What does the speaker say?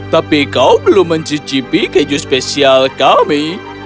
tapi kau belum mencicipi keju spesial kami